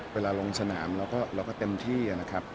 เวลาลงสนามเราก็เต็มที่นะครับ